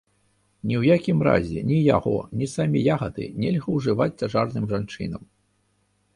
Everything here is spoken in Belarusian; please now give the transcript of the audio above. Ні ў якім разе ні яго, ні самі ягады нельга ўжываць цяжарным жанчынам.